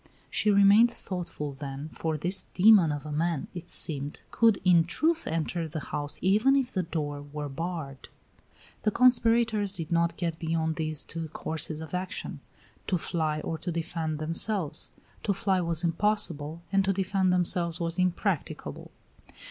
She remained thoughtful, then, for this demon of a man, it seemed, could in truth enter the house even if the door were barred. The conspirators did not get beyond these two courses of action: to fly or to defend themselves. To fly was impossible, and to defend themselves was impracticable.